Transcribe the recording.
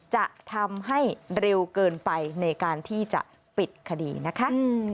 จะทำให้เร็วเกินไปในการที่จะปิดคดีนะคะ